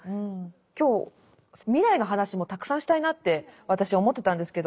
今日未来の話もたくさんしたいなって私思ってたんですけど